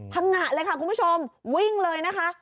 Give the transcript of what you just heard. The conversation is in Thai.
พังงะเลยค่ะคุณผู้ชมวิ่งเลยนะคะ